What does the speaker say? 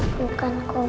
bukan kau bu